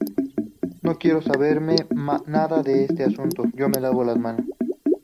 No quiero saberme nada de este asunto. Yo me lavo las manos